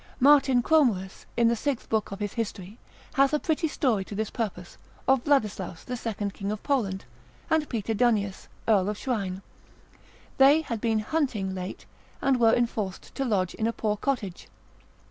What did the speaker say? Martin Cromerus, in the Sixth book of his history, hath a pretty story to this purpose, of Vladislaus, the second king of Poland, and Peter Dunnius, earl of Shrine; they had been hunting late, and were enforced to lodge in a poor cottage.